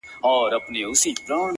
څه دي راوکړل د قرآن او د ګیتا لوري،